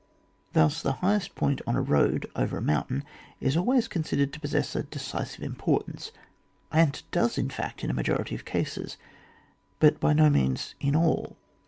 Thus the highest point on a road over a mountain is always considered to possess a decisive importance, and it does in fact in the majority of cases, but by no means in all.